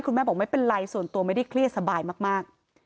แม่บอกไม่เป็นไรส่วนตัวไม่ได้เครียดสบายมาก